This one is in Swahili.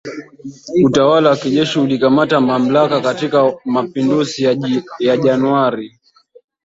Utawala wa kijeshi ulikamata mamlaka katika mapinduzi ya Januari